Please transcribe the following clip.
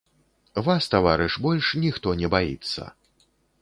Вас, таварыш, больш ніхто не баіцца.